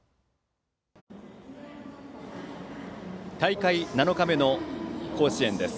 大会７日目の甲子園です。